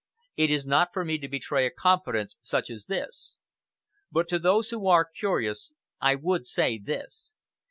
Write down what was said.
It is not for me to betray a confidence such as this. But to those who are curious, I would say this.